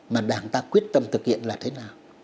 mà đảng ta quyết tâm thực hiện là thế nào